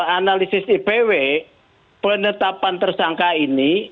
analisis ipw penetapan tersangka ini